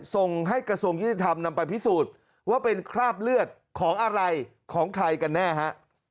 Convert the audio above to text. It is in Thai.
ส่งให้กระทรวงยุติธรรมนำไปพิสูจน์ว่าเป็นคราบเลือดของอะไรของใครกันแน่ฮะ